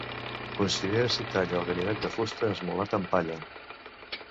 Considera si talla el ganivet de fusta esmolat en palla.